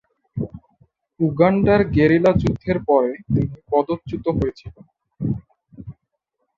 উগান্ডার গেরিলা যুদ্ধের পরে তিনি পদচ্যুত হয়েছিল।